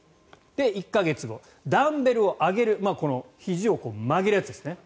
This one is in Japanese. １か月後、ダンベルを上げるひじを曲げるやつですね。